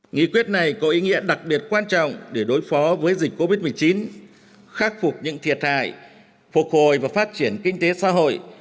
nghị quyết này có ý nghĩa đặc biệt quan trọng để đối phó với dịch covid một mươi chín khắc phục những thiệt hại phục hồi và phát triển kinh tế xã hội